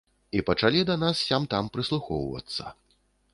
І пачалі да нас сям-там прыслухоўвацца.